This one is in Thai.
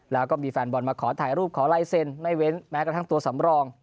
แล้วก็มีแฟนบอลมาขอถ่ายรูปขอลายเซ็นไม่เว้นแม้กระทั่งตัวสำรอง